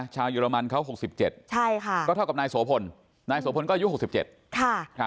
ชาวเยอรมนเขา๖๗ปีก็เท่ากับนายโสพลนายโสพลก็อายุ๖๗ปี